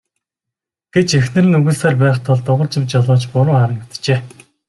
гэж эхнэр нь үглэсээр байх тул Дугаржав жолооч буруу харан хэвтжээ.